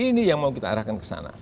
ini yang mau kita arahkan kesana